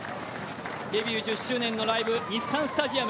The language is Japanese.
デビュー１０周年のライブ、日産スタジアム。